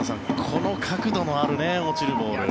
この角度のある落ちるボール。